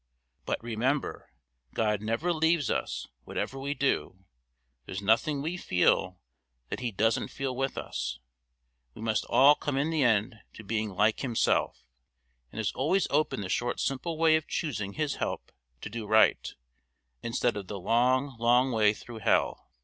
But remember, God never leaves us whatever we do; there's nothing we feel that He doesn't feel with us; we must all come in the end to being like Himself, and there's always open the short simple way of choosing His help to do right, instead of the long, long way through hell.